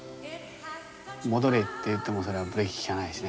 「戻れ」って言ってもそれはブレーキきかないですね。